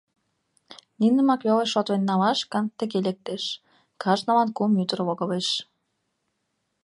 Нинымак веле шотлен налаш гын, тыге лектеш: кажнылан кум ӱдыр логалеш.